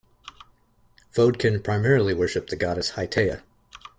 Voadkyn primarily worship the goddess Hiatea.